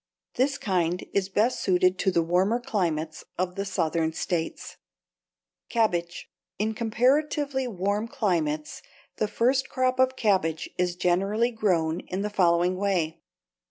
This kind is best suited to the warmer climates of the Southern states. =Cabbage.= In comparatively warm climates the first crop of cabbage is generally grown in the following way.